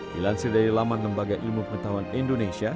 dilansir dari laman lembaga ilmu pengetahuan indonesia